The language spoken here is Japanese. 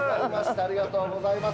◆ありがとうございます。